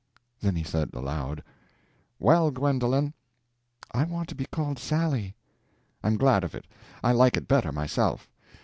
Then he said aloud: "Well, Gwendolen—" "I want to be called Sally." "I'm glad of it; I like it better, myself.